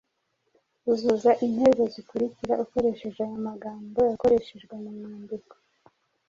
Uzuza interuro zikurikira ukoresheje aya magambo yakoreshejwe mu mwandiko: